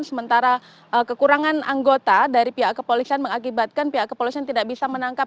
sementara kekurangan anggota dari pihak kepolisian mengakibatkan pihak kepolisian tidak bisa menangkap